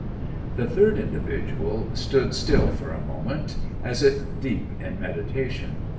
The third individual stood still for a moment, as if deep in meditation.